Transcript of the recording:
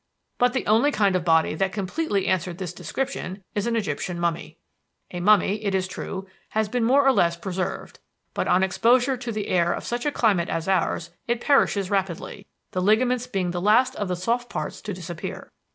But the only kind of body that completely answered this description is an Egyptian mummy. A mummy, it is true, has been more or less preserved; but on exposure to the air of such a climate as ours it perishes rapidly, the ligaments being the last of the soft parts to disappear.